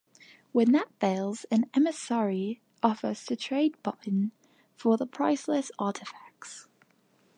When that fails, an emissary offers to trade Barton for the priceless artifacts.